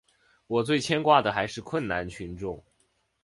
我最牵挂的还是困难群众。